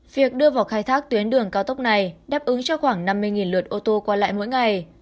việc đưa vào khai thác tuyến đường cao tốc này đáp ứng cho khoảng năm mươi lượt ô tô qua lại mỗi ngày